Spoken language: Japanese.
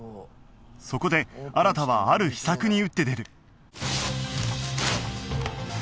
そこで新はある秘策に打って出る